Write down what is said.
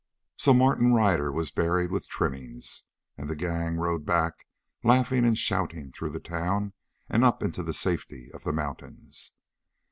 So Martin Ryder was buried with "trimmings," and the gang rode back, laughing and shouting, through the town and up into the safety of the mountains.